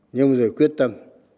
nhung rồi quyết tâm